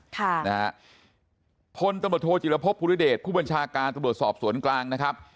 ค่ะนะฮะพลตำรวจโทจิลภพภูริเดชผู้บัญชาการตำรวจสอบสวนกลางนะครับ